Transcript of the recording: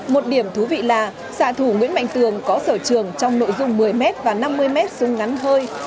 một điểm thú vị là xã thủ nguyễn mạnh tường có sở trường trong nội dung một mươi m và năm mươi m súng ngắn hơi